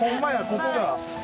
ここが。